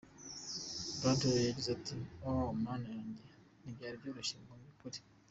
Bradley yagize ati “Oh Mana yanjye! Ntibyari byoroshye mu by’ukuri.